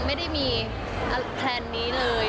ไม่ได้มีแพลนนี้เลย